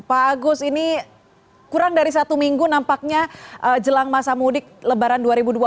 pak agus ini kurang dari satu minggu nampaknya jelang masa mudik lebaran dua ribu dua puluh